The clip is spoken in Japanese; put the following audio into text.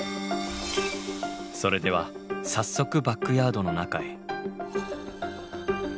それでは早速バックヤードの中へ。